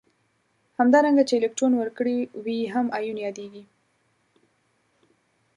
همدارنګه چې الکترون ورکړی وي هم ایون یادیږي.